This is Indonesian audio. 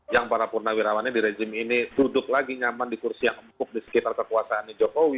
yang para purnawirawannya di rezim ini duduk lagi nyaman di kursi yang empuk di sekitar kekuasaannya jokowi